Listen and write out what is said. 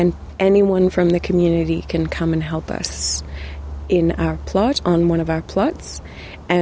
dan siapa pun dari komunitas bisa datang dan membantu kita di plot kita